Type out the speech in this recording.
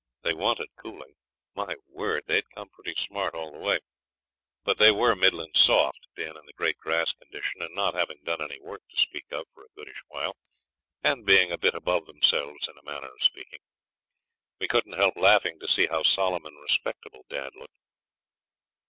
They wanted cooling, my word. They'd come pretty smart all the way, but they were middlin' soft, being in great grass condition and not having done any work to speak of for a goodish while, and being a bit above themselves in a manner of speaking. We couldn't help laughing to see how solemn and respectable dad looked.